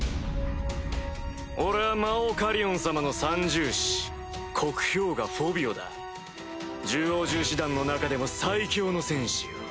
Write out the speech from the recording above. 俺は魔王カリオン様の三獣士黒豹牙フォビオだ獣王獣士団の中でも最強の戦士よ